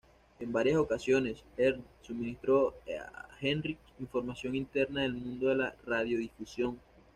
En varias ocasiones, Ernst suministró a Heinrich información interna del mundo de la radiodifusión.